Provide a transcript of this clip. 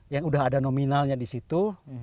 yang udah ada nominalnya di situ